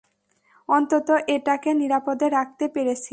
অন্তত এটাকে নিরাপদে রাখতে পেরেছিস।